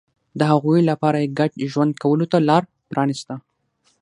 د هغوی لپاره یې ګډ ژوند کولو ته لار پرانېسته